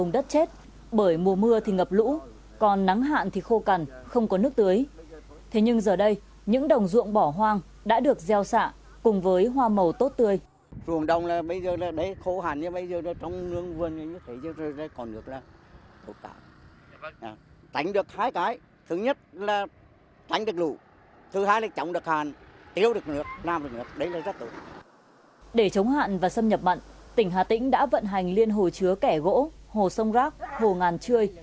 để chống hạn và xâm nhập mặn tỉnh hà tĩnh đã vận hành liên hồ chứa kẻ gỗ hồ sông rác hồ ngàn chươi